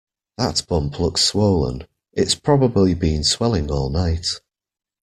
That bump looks swollen. It's probably been swelling all night.